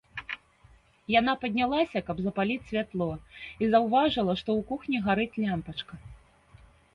Яна паднялася, каб запаліць святло, і заўважыла, што ў кухні гарыць лямпачка.